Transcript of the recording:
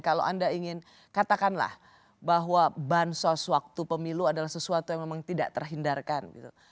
kalau anda ingin katakanlah bahwa bansos waktu pemilu adalah sesuatu yang memang tidak terhindarkan gitu